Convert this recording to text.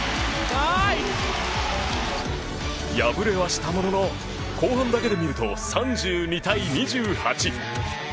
敗れはしたものの後半だけで見ると３２対２８。